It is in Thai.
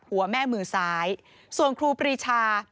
หัวแม่มือซ้ายส่วนครูปรีชา